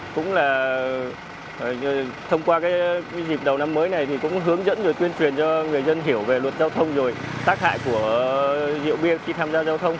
cũng là thông qua dịp đầu năm mới này thì cũng hướng dẫn rồi tuyên truyền cho người dân hiểu về luật giao thông rồi tác hại của rượu bia khi tham gia giao thông